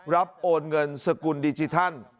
โอนเงินสกุลดิจิทัล